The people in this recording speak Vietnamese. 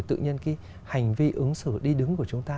tự nhiên cái hành vi ứng xử đi đứng của chúng ta